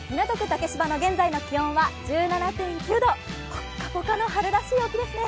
竹芝の現在の気温は１７．９度、ぽっかぽかの春らしい天気ですね。